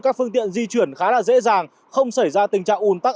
các phương tiện di chuyển khá là dễ dàng không xảy ra tình trạng un tắc